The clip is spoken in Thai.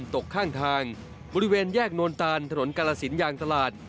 ตกข้างทางบริเวณแยกโนนตานถนนกาลสินยางตลาด